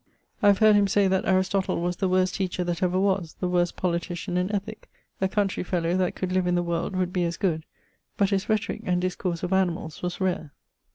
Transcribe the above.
I have heard him say that Aristotle was the worst teacher that ever was, the worst polititian and ethick a countrey fellow that could live in the world as good: but his rhetorique and discourse of animals was rare.